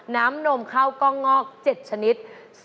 นมข้าวกล้องงอก๗ชนิด